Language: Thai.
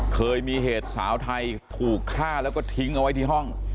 เคยมีเหตุสาวไทยถูกฆ่าแล้วก็ทิ้งเอาไว้ที่ห้อง